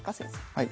はい。